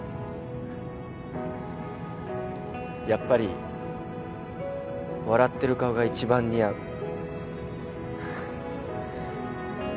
やっぱり笑ってる顔が一番似合う。